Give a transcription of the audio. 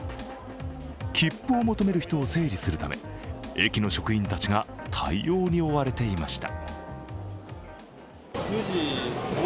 切符を求める人を整理するため、駅の職員たちが対応に追われていました。